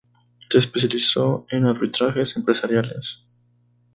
Se especializó en arbitrajes empresariales.